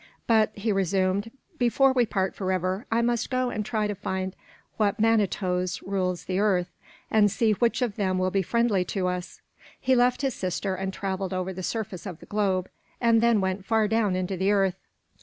But," he resumed, "before we part forever, I must go and try to find what manitoes rule the earth, and see which of them will be friendly to us." He left his sister and traveled over the surface of the globe, and then went far down into the earth.